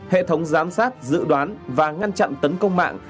hệ thống giám sát dự đoán và ngăn chặn tấn công mạng